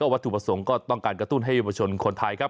วัตถุประสงค์ก็ต้องการกระตุ้นให้เยาวชนคนไทยครับ